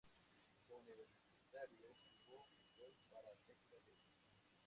Como universitario, jugó fútbol para Texas Tech.